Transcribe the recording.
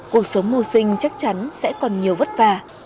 cuộc sống mưu sinh chắc chắn sẽ còn nhiều vất vả